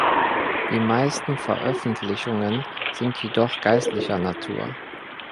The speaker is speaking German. Die meisten Veröffentlichungen sind jedoch geistlicher Natur.